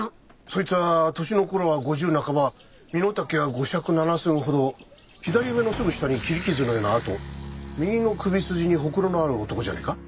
そいつぁ年の頃は５０半ば身の丈は５尺７寸ほど左目のすぐ下に切り傷のような痕右の首筋にほくろのある男じゃねえか？